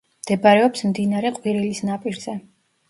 მდებარეობს მდინარე ყვირილის ნაპირზე.